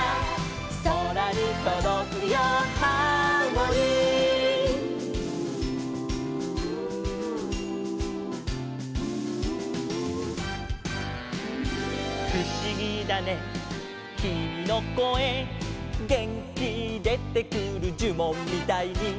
「そらにとどくよハーモニー」「ふしぎだねきみのこえ」「げんきでてくるじゅもんみたいに」